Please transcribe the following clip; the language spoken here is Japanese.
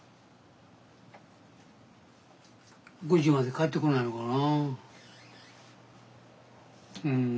５時まで帰ってこないのかな。